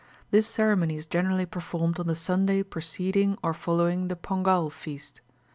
This ceremony is generally performed on the Sunday preceding or following the Pongal feast.